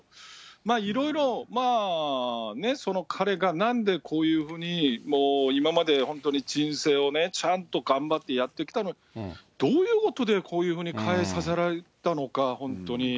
いろいろ、彼がなんでこういうふうに、今まで、本当に、人生をちゃんと頑張ってやってきたのに、どういうことでこういうふうに変えさせられたのか、本当に。